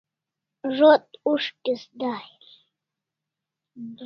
Zo't ushtis dai e?